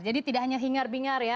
jadi tidak hanya hingar bingar ya